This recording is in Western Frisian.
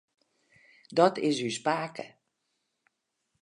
Dat is ús pake.